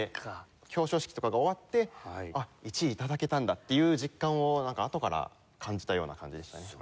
表彰式とかが終わって１位頂けたんだっていう実感をあとから感じたような感じでしたね。